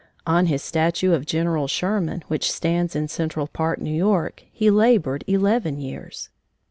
On his statue of General Sherman which stands in Central Park, New York, he labored eleven years.